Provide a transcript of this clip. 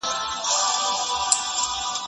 كاغذ پر صفحه دا وليـكل